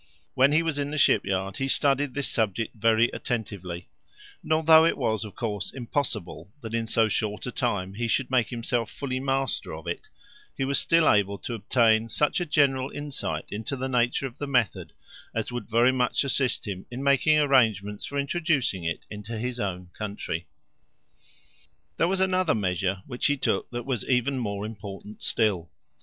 When he was in the ship yard he studied this subject very attentively; and although it was, of course, impossible that in so short a time he should make himself fully master of it, he was still able to obtain such a general insight into the nature of the method as would very much assist him in making arrangements for introducing it into his own country. There was another measure which he took that was even more important still.